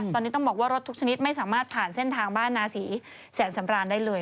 ตอนนี้ต้องบอกว่ารถทุกชนิดไม่สามารถผ่านเส้นทางบ้านนาศรีแสนสำรานได้เลย